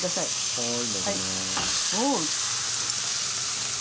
はい。